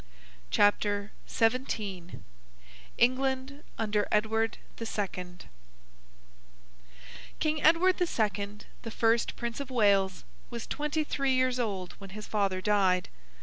CHAPTER XVII ENGLAND UNDER EDWARD THE SECOND King Edward the Second, the first Prince of Wales, was twenty three years old when his father died.